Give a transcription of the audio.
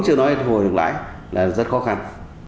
chưa nói thu hồi được lãi là rất khó khăn